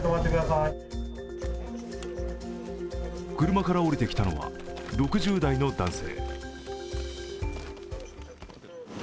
車から降りてきたのは６０代の男性。